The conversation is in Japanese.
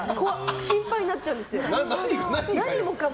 心配になっちゃうんです何もかも。